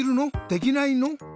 できないの？